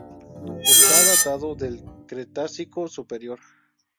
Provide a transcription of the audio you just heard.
Está datado del Cretácico superior.